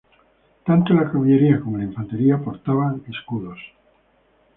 Tanto la caballería como la infantería portaba escudos.